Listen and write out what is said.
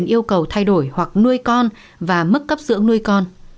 nguyễn kim trung thái yêu cầu thay đổi hoặc nuôi con và mức cấp dưỡng nuôi con